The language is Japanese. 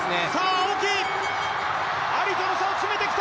青木、アリとの差を詰めてきた！